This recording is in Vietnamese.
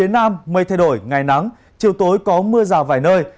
ngày nắng chiều tối có mưa rào vài nơi